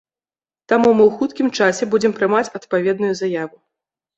Таму мы ў хуткім часе будзем прымаць адпаведную заяву.